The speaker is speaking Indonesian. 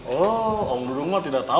oh om dudung mah tidak tahu